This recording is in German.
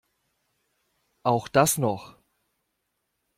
Auch das noch!